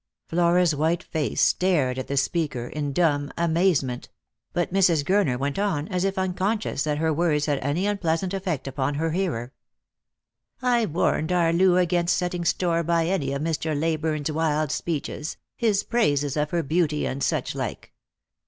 Flora's white face stared at the speaker in dumb amazement ; 212 Lost for Love. but Mrs. Gurner went on as if unconscious that her words had any unpleasant effect upon her hearer. " I warned our Loo against setting store by any of Mr. Ley burne's wild speeches, his praises of her beauty, and suchlike.